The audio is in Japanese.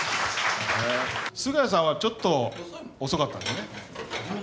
菅家さんはちょっと遅かったんですね。